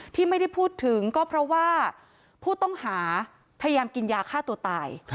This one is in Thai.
ที่ไม่ได้พูดถึงก็เพราะว่าผู้ต้องหาพยายามกินยาฆ่าตัวตาย